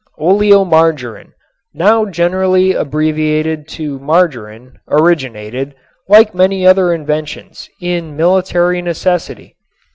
Oleomargarin, now generally abbreviated to margarin, originated, like many other inventions, in military necessity.